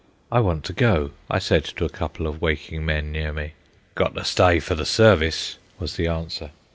"I want to go," I said to a couple of waking men near me. "Got ter sty fer the service," was the answer.